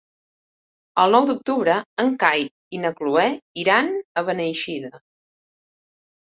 El nou d'octubre en Cai i na Cloè iran a Beneixida.